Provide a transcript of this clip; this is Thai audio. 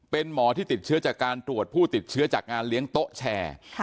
เป็นหมอที่ติดเชื้อจากการตรวจผู้ติดเชื้อจากงานเลี้ยงโต๊ะแชร์